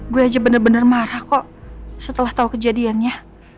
gue aja bener bener marah kok setelah tahu kejadiannya